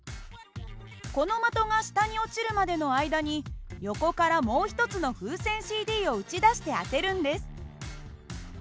この的が下に落ちるまでの間に横からもう一つの風船ＣＤを撃ち出して当てるんです。